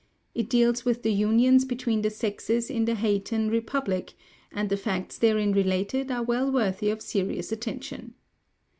It deals with the unions between the sexes in the Haytian Republic, and the facts therein related are well worthy of serious attention.